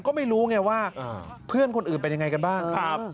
ก็ไม่รู้ไงว่าเพื่อนคนอื่นเป็นยังไงกันบ้าง